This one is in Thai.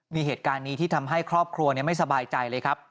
มีเหตุการณ์นี้ที่ทำให้ครอบครัวไม่สบายใจเลยครับ